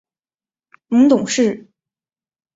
母董氏。